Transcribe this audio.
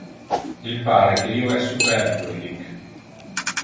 Il pare que io es superflue hic.